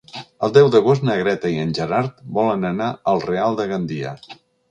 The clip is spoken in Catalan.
El deu d'agost na Greta i en Gerard volen anar al Real de Gandia.